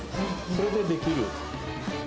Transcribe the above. それでできる。